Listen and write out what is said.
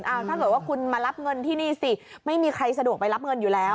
เอาถ้าเกิดว่าคุณมารับเงินที่นี่สิไม่มีใครสะดวกไปรับเงินอยู่แล้ว